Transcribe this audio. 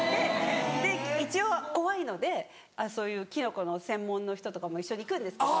で一応怖いのでそういうキノコの専門の人とかも一緒に行くんですけど。